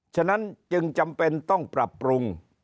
ฉะนั้นจึงจำเป็นต้องปรับปรุง